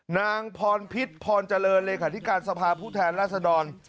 นางพรพิษพรเจริญเลยค่ะที่การสภาพุทธแทนราชดร